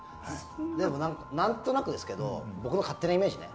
でも、何となくですけど僕の勝手なイメージね。